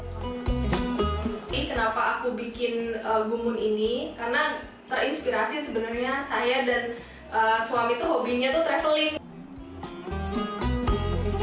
kenapa aku bikin gumun ini karena terinspirasi sebenarnya saya dan suami hobinya traveling